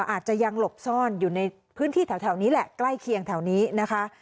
อาจจะยังหลบซ่อนอยู่ในพื้นที่แถวนี้แหละใกล้เคียงแถวนี้นะคะ